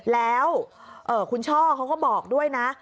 แล้วคุณช่อเขาก็บอกด้วยนะ